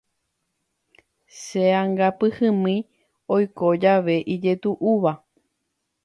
Che'angapyhymi oiko jave ijetu'úva.